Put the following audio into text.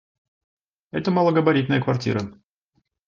Это малогабаритная квартира.